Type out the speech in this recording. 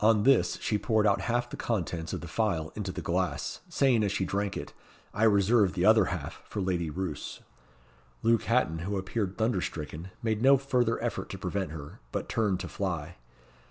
On this she poured out half the contents of the phial into the glass, saying as she drank it, "I reserve the other half for Lady Roos." Luke Hatton, who appeared thunder stricken, made no further effort to prevent her, but turned to fly.